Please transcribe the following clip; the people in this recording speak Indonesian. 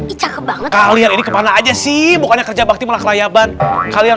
ini cakep banget kalian ini kemana aja sih bukannya kerja bakti melayaban kalian